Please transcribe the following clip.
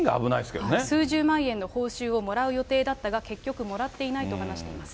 数十万円の報酬をもらう予定だったが、結局もらっていないと話しています。